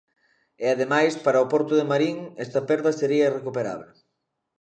E ademais para o Porto de Marín esta perda sería irrecuperable.